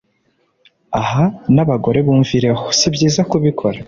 Aha n'abagore bumvireho sibyiza kubikora